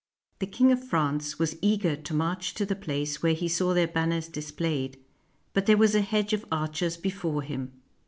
The King of France was eager to march to the place where he saw their banners displayed, but there was a hedge of archers before him.